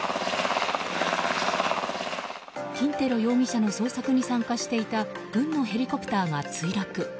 キンテロ容疑者の捜索に参加していた軍のヘリコプターが墜落。